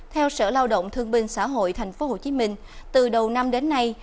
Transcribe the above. theo sở lao động thương binh xã hội tp hcm từ đầu năm đến nay